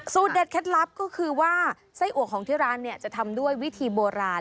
เด็ดเคล็ดลับก็คือว่าไส้อัวของที่ร้านเนี่ยจะทำด้วยวิธีโบราณ